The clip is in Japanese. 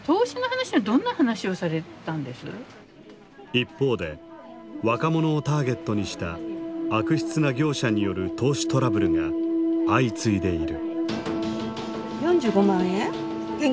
一方で若者をターゲットにした悪質な業者による投資トラブルが相次いでいる。